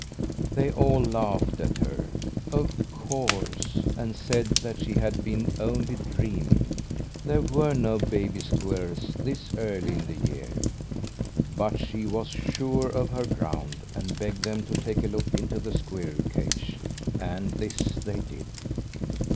They all laughed at her, of course, and said that she had been only dreaming. There were no baby squirrels this early in the year. But she was sure of her ground, and begged them to take a look into the squirrel cage and this they did.